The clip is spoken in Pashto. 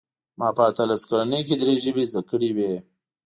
ما په اتلس کلنۍ کې درې ژبې زده کړې وې